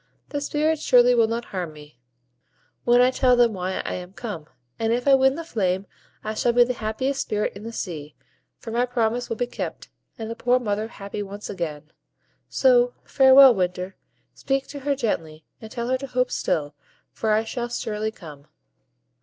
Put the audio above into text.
The Spirits surely will not harm me, when I tell them why I am come; and if I win the flame, I shall be the happiest Spirit in the sea, for my promise will be kept, and the poor mother happy once again. So farewell, Winter! Speak to her gently, and tell her to hope still, for I shall surely come."